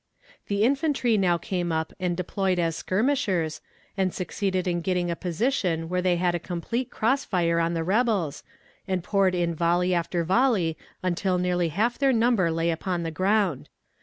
] The infantry now came up and deployed as skirmishers, and succeeded in getting a position where they had a complete cross fire on the rebels, and poured in volley after volley until nearly half their number lay upon the ground.